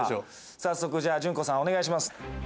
早速じゃあ順子さんお願いします。